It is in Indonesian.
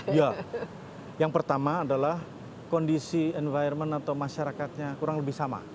iya yang pertama adalah kondisi environment atau masyarakatnya kurang lebih sama